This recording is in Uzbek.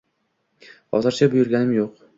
Hozircha buyurganim yo`q